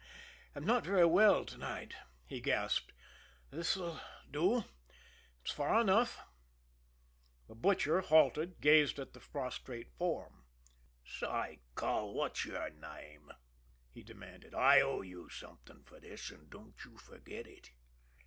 "I'm I'm not very well to night," he gasped. "This will do it's far enough." The Butcher, halted, gazed at the prostrate form. "Say, cull, what's yer name?" he demanded. "I owe you something for this, an' don't you forget it."